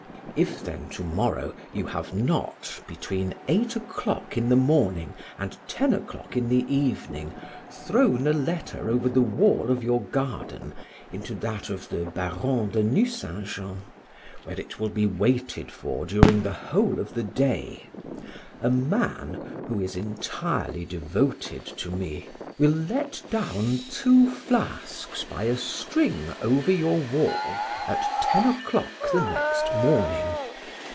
If then, to morrow, you have not, between eight o'clock in the morning and ten o'clock in the evening, thrown a letter over the wall of your garden into that of the Baron de Nucingen, where it will be waited for during the whole of the day, a man, who is entirely devoted to me, will let down two flasks by a string over your wall at ten o'clock the next morning.